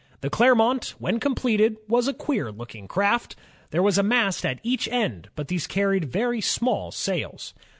The Clermont, when completed, was a queer looking craft. There was a mast at each end, but these carried very small sails.